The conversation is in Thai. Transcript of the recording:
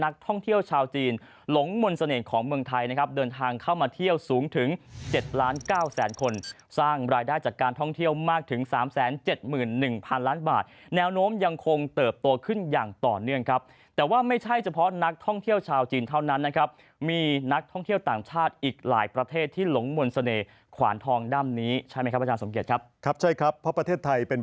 ของชาวจีนหลงมนต์เสน่ห์ของเมืองไทยนะครับเดินทางเข้ามาเที่ยวสูงถึง๗ล้าน๙แสนคนสร้างรายได้จากการท่องเที่ยวมากถึง๓๗๑พันล้านบาทแนวโน้มยังคงเติบโตขึ้นอย่างต่อเนื่องครับแต่ว่าไม่ใช่เฉพาะนักท่องเที่ยวชาวจีนเท่านั้นนะครับมีนักท่องเที่ยวต่างชาติอีกหลายประเทศที่หลงมนต์เสน่